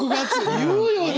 言うよね！